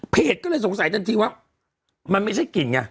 ก็เลยสงสัยทันทีว่ามันไม่ใช่กลิ่นไง